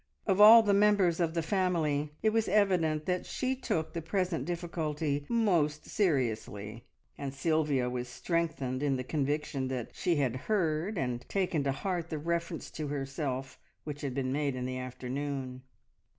Of all the members of the family it was evident that she took the present difficulty most seriously, and Sylvia was strengthened in the conviction that she had heard and taken to heart the reference to herself which had been made in the afternoon.